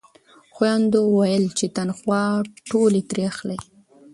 خویندو ویل چې تنخوا ټولې ترې اخلئ.